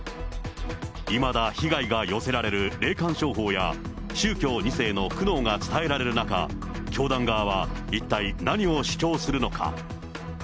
いまだ、被害が寄せられる霊感商法や、宗教２世の苦悩が伝えられる中、教団側は一体、何を主張するのか。